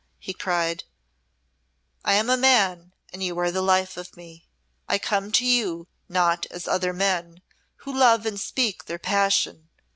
he cried; "I am a man and you are the life of me! I come to you not as other men, who love and speak their passion.